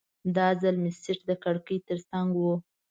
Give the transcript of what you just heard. دا ځل مې سیټ د کړکۍ ترڅنګ و.